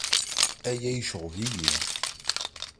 Aya iceɣɣeb-iyi.